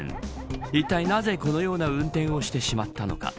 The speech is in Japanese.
いったいなぜこのような運転をしてしまったのか。